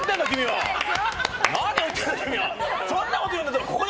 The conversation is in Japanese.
何を言ってるんだ君は！